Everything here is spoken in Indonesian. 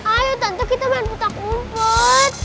ayo tante kita main putak umpet